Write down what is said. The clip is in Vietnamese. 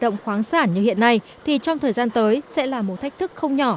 động khoáng sản như hiện nay thì trong thời gian tới sẽ là một thách thức không nhỏ